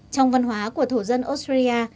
trong văn hóa của thổ dân australia